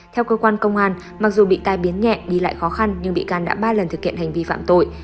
theo cơ quan công an mặc dù bị tai biến nhẹ đi lại khó khăn nhưng bị can đã ba lần thực hiện hành vi phạm tội